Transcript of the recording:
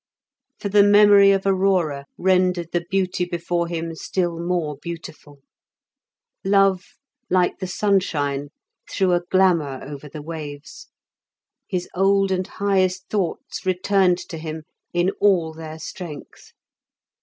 For the memory of Aurora rendered the beauty before him still more beautiful; love, like the sunshine, threw a glamour over the waves. His old and highest thoughts returned to him in all their strength.